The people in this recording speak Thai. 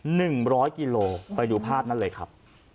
หนึ่งร้อยกิโลไปดูภาพนั้นเลยครับ